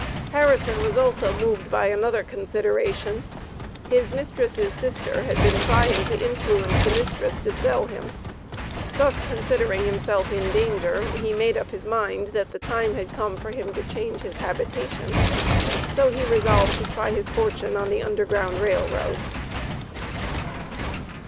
Harrison was also moved by another consideration. His mistress' sister had been trying to influence the mistress to sell him; thus considering himself in danger, he made up his mind that the time had come for him to change his habitation, so he resolved to try his fortune on the Underground Rail Road.